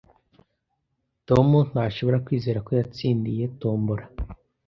Tom ntashobora kwizera ko yatsindiye tombora